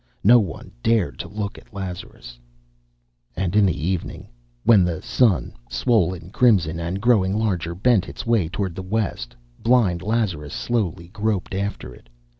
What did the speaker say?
No one dared to look at Lazarus. And in the evening, when the sun, swollen crimson and growing larger, bent its way toward the west, blind Lazarus slowly groped after it.